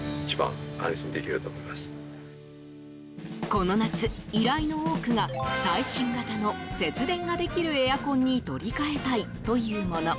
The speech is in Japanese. この夏、依頼の多くが最新型の節電ができるエアコンに取り替えたいというもの。